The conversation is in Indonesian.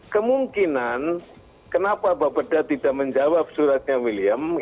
kemungkinan kenapa bapak dah tidak menjawab suratnya william